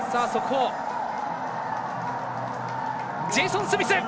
ジェイソン・スミス！